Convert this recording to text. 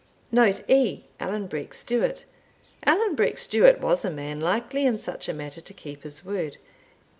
Note E. Allan Breck Stewart. Allan Breck Stewart was a man likely in such a matter to keep his word.